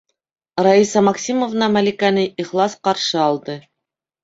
Раиса Максимовна Мәликәне ихлас ҡаршы алды: